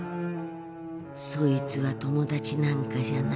そいつは友達なんかじゃない。